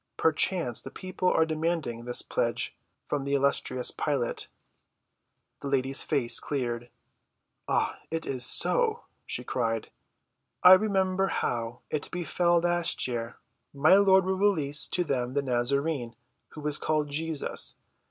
"Perchance, the people are demanding this pledge from the illustrious Pilate." The lady's face cleared. "Ah, it is so," she cried; "I remember how it befell last year. My lord will release to them the Nazarene, who is called Jesus.